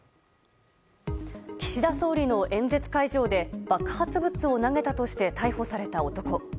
岸田総理の演説会場で爆発物を投げたとして逮捕された男。